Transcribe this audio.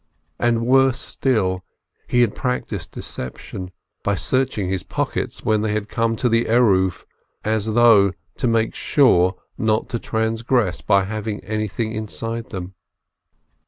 And worse still, he had practiced deception, by searching his pockets when they had come to the Eruv, as though to make sure not to transgress by having anything inside them.